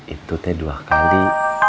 itu teh dua kali